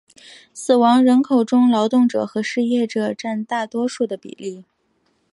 死亡人口中劳动者和失业者占大多数的比例。